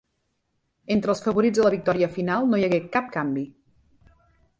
Entre els favorits a la victòria final no hi hagué cap canvi.